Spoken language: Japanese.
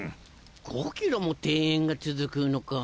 ５ｋｍも庭園が続くのか。